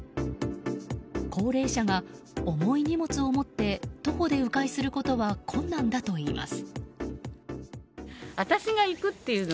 高齢者が重い荷物を持って徒歩で迂回することは困難だといいます。